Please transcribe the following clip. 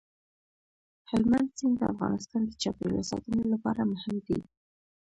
هلمند سیند د افغانستان د چاپیریال ساتنې لپاره مهم دي.